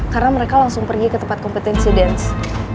karena mereka langsung pergi ke tempat kompetensi dance